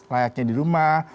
layaknya di rumah